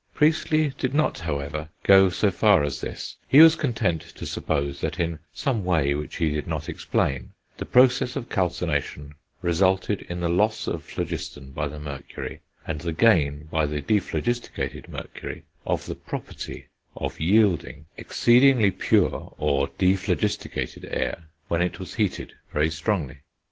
Priestley did not, however, go so far as this; he was content to suppose that in some way, which he did not explain, the process of calcination resulted in the loss of phlogiston by the mercury, and the gain, by the dephlogisticated mercury, of the property of yielding exceedingly pure or dephlogisticated air when it was heated very strongly.